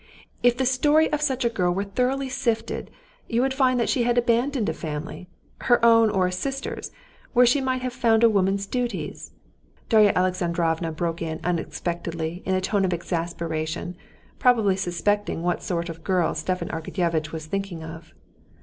"If the story of such a girl were thoroughly sifted, you would find she had abandoned a family—her own or a sister's, where she might have found a woman's duties," Darya Alexandrovna broke in unexpectedly in a tone of exasperation, probably suspecting what sort of girl Stepan Arkadyevitch was thinking of.